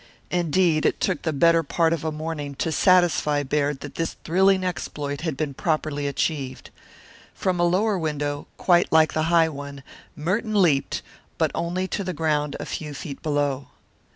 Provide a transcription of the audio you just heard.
Indeed, it took the better part of a morning to satisfy Baird that this thrilling exploit had been properly achieved. From a lower window, quite like the high one, Merton leaped, but only to the ground a few feet below.